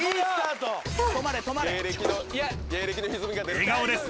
［笑顔です。